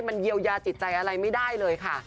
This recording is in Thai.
มันเยียวยาจิตใจอะไรไม่ได้เลยค่ะ